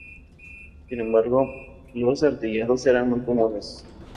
Sin embargo, los artillados eran muy comunes.